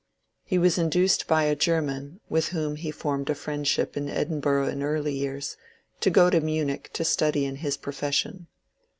He was induced by a German, with whom he formed a friendship in Edinburgh in early years, to go to Munich to study in his profession.